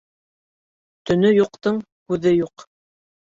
Төнө юҡтың күҙе юҡ.